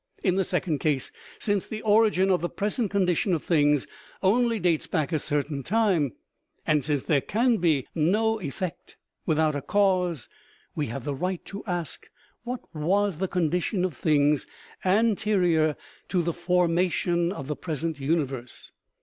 In the second case, since the origin of the present condition of things only dates back a certain time, and since there can be no effect without a cause, we have the right to ask what was the condition of things anterior to the formation of the present universe.